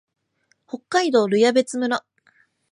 北海道留夜別村